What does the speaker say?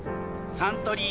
サントリー